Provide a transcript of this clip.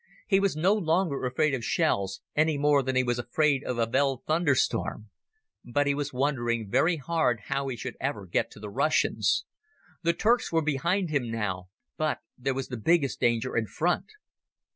He was no longer afraid of shells, any more than he was afraid of a veld thunderstorm. But he was wondering very hard how he should ever get to the Russians. The Turks were behind him now, but there was the biggest danger in front.